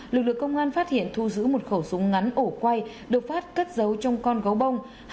lực lượng công an phát hiện thu giữ một khẩu súng ngắn ổ quay được phát cất giấu trong con gấu bông